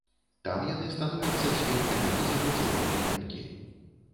Там яны становяцца сведкамі вызаву чорнай меткі.